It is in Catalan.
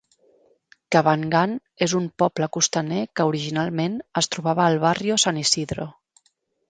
Cabangan és un poble costaner que originalment es trobava al Barrio San Isidro.